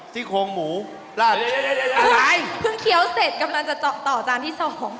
เพิ่งเคี้ยวเสร็จกำลังจะต่อจานที่สอง